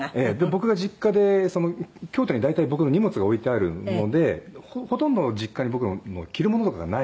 僕が実家で京都に大体僕の荷物が置いてあるのでほとんど実家に僕の着るものとかがないんですね。